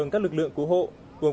với các lực lượng của tỉnh hòa bình